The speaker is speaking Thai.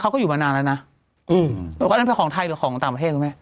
เขาก็อยู่มานานแล้วนะอืมอันนั้นเป็นของไทยหรือของต่างประเทศคุณแม่